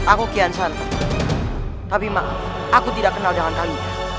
aku kian santan tapi aku tidak kenal dengan kamu